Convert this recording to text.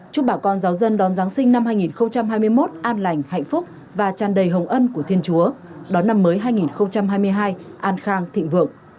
chúc bà con giáo dân đón giáng sinh năm hai nghìn hai mươi một an lành hạnh phúc và tràn đầy hồng ân của thiên chúa đón năm mới hai nghìn hai mươi hai an khang thịnh vượng